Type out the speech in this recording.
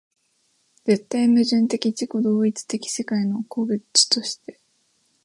絶対矛盾的自己同一的世界の個物として